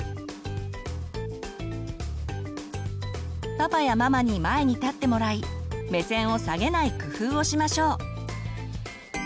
パパやママに前に立ってもらい目線を下げない工夫をしましょう。